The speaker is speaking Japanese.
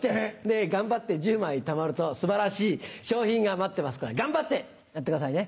え⁉頑張って１０枚たまると素晴らしい賞品が待ってますから頑張ってやってくださいね。